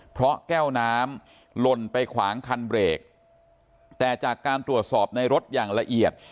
เพราะแก้วน้ำหล่นไปขวางคันเบรกแต่จากการตรวจสอบในรถอย่างละเอียด